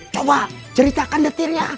coba ceritakan detirnya